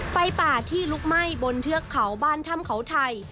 ไฟป่าที่ลุกไหม้บนเทือกเขาบ้านถ้ำเขาไทย